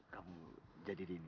kamu jadi dini